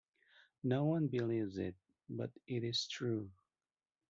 No one believes it, but it is true.